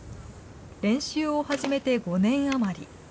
練習を始めて５年余り。